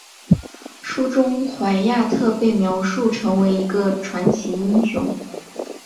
书中怀亚特被描述成为一个传奇英雄。